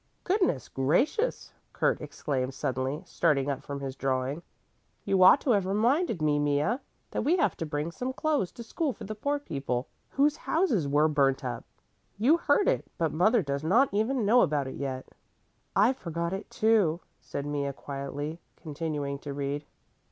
"Goodness gracious!" Kurt exclaimed suddenly, starting up from his drawing; "you ought to have reminded me, Mea, that we have to bring some clothes to school for the poor people whose houses were burnt up. You heard it, but mother does not even know about it yet." "I forgot it, too," said Mea quietly, continuing to read.